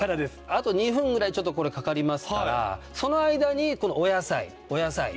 あと２分ぐらいちょっとこれかかりますからその間にお野菜お野菜。